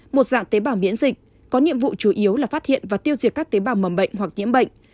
một dạng tế bào miễn dịch có nhiệm vụ chủ yếu là phát hiện và tiêu diệt các tế bào mầm bệnh hoặc nhiễm bệnh